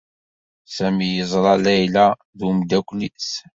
Sami yeẓra Layla d umeddakel-is.